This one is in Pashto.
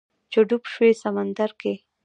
چې ډوب شوی سمندر کې